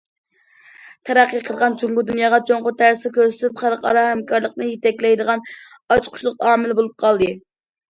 تەرەققىي قىلغان جۇڭگو دۇنياغا چوڭقۇر تەسىر كۆرسىتىپ، خەلقئارا ھەمكارلىقنى يېتەكلەيدىغان ئاچقۇچلۇق ئامىل بولۇپ قالدى.